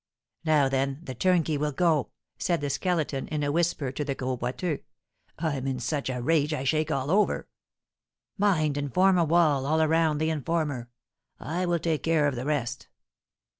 "Now, then, the turnkey will go," said the Skeleton, in a whisper to the Gros Boiteux. "I'm in such a rage I shake all over! Mind and form a wall all around the informer, I will take care of the rest!"